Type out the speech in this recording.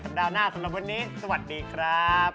ดาวหน้าสำหรับวันนี้สวัสดีครับ